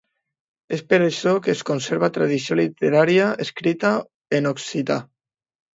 És per això que es conserva tradició literària escrita en occità.